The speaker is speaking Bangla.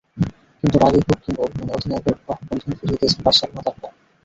কিন্তু রাগেই হোক কিংবা অভিমানে, অধিনায়কের বাহুবন্ধনী ফিরিয়ে দিয়েছেন বার্সেলোনা তারকা।